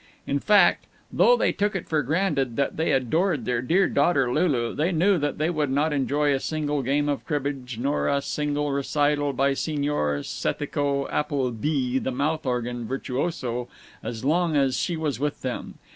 In fact, though they took it for granted that they adored their dear daughter Lulu, they knew that they would not enjoy a single game of cribbage, nor a single recital by Signor Sethico Applebi the mouth organ virtuoso, as long as she was with them.